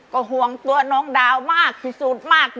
ก็ห่วงตัวน้องดาวมากที่สุดมาก